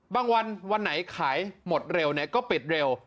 บางวันวันไหนขายหมดเร็วเนี่ยก็ปิดเร็ว